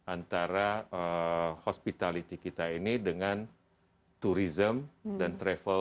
antara hospitality kita ini dengan tourism dan travel